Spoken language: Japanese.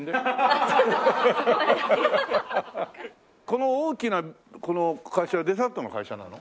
この大きなこの会社はデサントの会社なの？